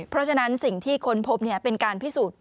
เพราะฉะนั้นสิ่งที่ค้นพบเป็นการพิสูจน์